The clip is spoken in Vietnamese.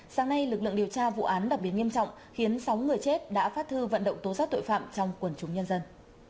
sáng nay lực lượng điều tra vụ án đặc biệt nghiêm trọng khiến sáu người chết đã phát thư vận động tố giác tội phạm trong quần chúng nhân dân